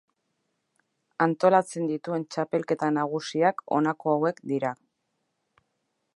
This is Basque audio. Antolatzen dituen txapelketa nagusiak honako hauek dira.